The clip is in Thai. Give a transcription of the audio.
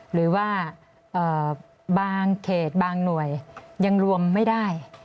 หรือว่าบางเขตบางหน่วยยังรวมไม่ได้